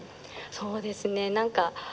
そうですね何かうん。